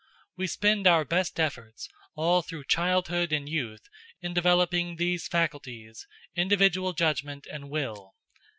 We spend our best efforts, all through childhood and youth, in developing these faculties, individual judgment and will."